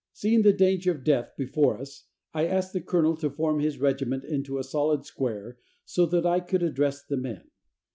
Seeing the danger of death before us I asked the colonel to form his regiment into a solid square so that I could address the men.